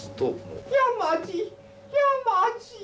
「山路山路」。